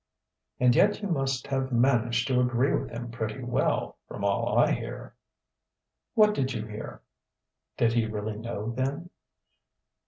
"And yet you must have managed to agree with him pretty well, from all I hear." "What did you hear?" (Did he really know, then?)